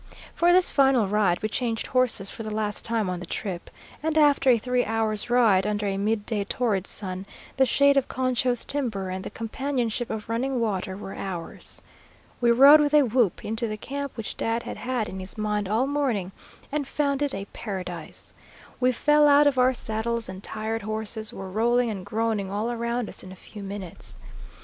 For this final ride we changed horses for the last time on the trip, and after a three hours' ride under a mid day torrid sun, the shade of Concho's timber and the companionship of running water were ours. We rode with a whoop into the camp which Dad had had in his mind all morning, and found it a paradise. We fell out of our saddles, and tired horses were rolling and groaning all around us in a few minutes.